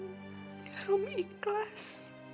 ya rum ikhlas